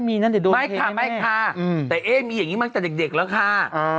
ไม่คะแต่เอ๊มีอย่างนี้มากจากเด็กแล้วค่ะ